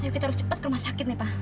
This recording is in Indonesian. ayo kita harus cepat ke rumah sakit pak